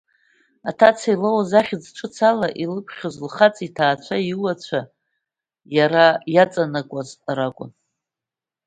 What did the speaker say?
Аҭаца илоуз ахьӡ ҿыц ала илыԥхьоз лхаҵа иҭаацәа, иуацәа иара иҵанакуаз ракәын.